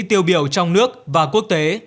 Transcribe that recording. tiêu biểu trong nước và quốc tế